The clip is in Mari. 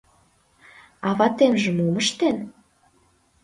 А ватемже мом ыштен?..